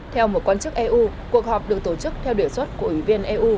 theo một quan chức eu cuộc họp được tổ chức theo đề xuất của ủy viên eu